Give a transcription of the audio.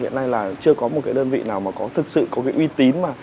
hiện nay là chưa có một cái đơn vị nào mà có thực sự có cái uy tín mà